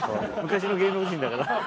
昔の芸能人だから。